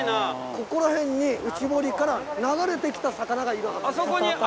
ここら辺に内堀から流れてきた魚がいるはずです。